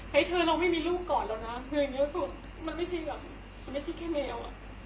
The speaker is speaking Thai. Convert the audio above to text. ให้เธอเราไม่มีลูกก่อนแล้วนะพอถึงมันไม่แค่แมว